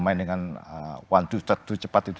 karena dengan permainan cepat dengan adanya pressing tidak mungkir